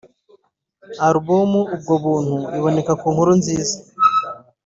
Album’Ubwo buntu’ iboneka ku Nkurunziza